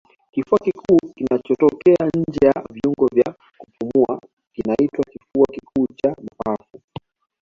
Kifua kikuu kinachotokea nje ya viungo vya kupumua kinaitwa kifua kikuu cha mapafu